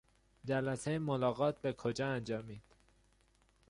جلسهی ملاقات به کجا انجامید؟